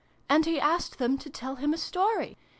" And he asked them to tell him a story.